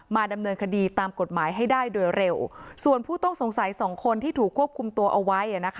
ดำเนินคดีตามกฎหมายให้ได้โดยเร็วส่วนผู้ต้องสงสัยสองคนที่ถูกควบคุมตัวเอาไว้